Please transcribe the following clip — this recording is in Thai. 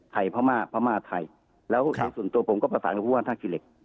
ไทยพระม่าพระม่าไทยแล้วครับส่วนตัวผมก็ประสานกับผู้ว่าท่าคิเล็ก